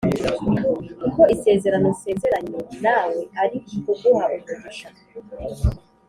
kuko isezerano nsezeranye nawe ari kuguha umugisha